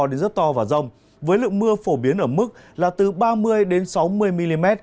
đến rất to và rông với lượng mưa phổ biến ở mức là từ ba mươi sáu mươi mm